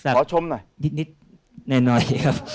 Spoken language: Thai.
ขอชมหน่อย